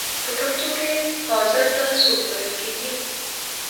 په پښتو کې حاضر ته سوب ویل کیږی.